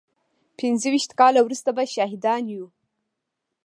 پينځه ويشت کاله وروسته به شاهدان يو.